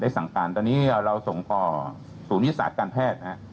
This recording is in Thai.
สั่งการตอนนี้เราส่งต่อศูนย์วิทยาศาสตร์การแพทย์นะครับ